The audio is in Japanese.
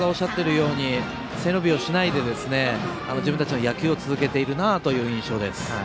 監督がおっしゃっているように背伸びをしないで自分たちの野球を続けているなという印象です。